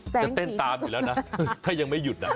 จะเต้นตามอยู่แล้วนะถ้ายังไม่หยุดนะ